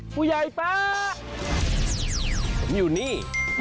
ผมอยู่นี้